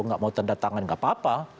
tidak mau tanda tangan tidak apa apa